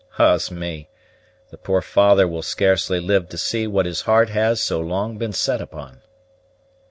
Ah's me! The poor father will scarcely live to see what his heart has so long been set upon."